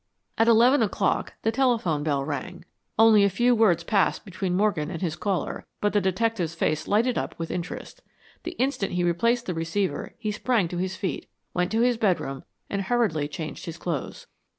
At eleven o'clock the telephone bell rang. Only a few words passed between Morgan and his caller, but the detective's face lighted up with interest. The instant he replaced the receiver he sprang to his feet, went to his bedroom, and hurriedly changed his clothes.